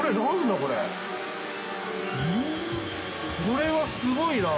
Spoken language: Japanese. これはすごいな！